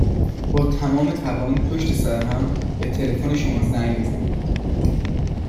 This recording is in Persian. با تمام توان پشت سر هم به تلفن شما زنگ میزنند.